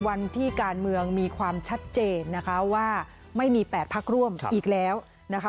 วันที่การเมืองมีความชัดเจนนะคะว่าไม่มี๘พักร่วมอีกแล้วนะคะ